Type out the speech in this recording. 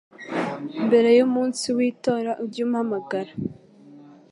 mbere y umunsi w itora ujye umpamagara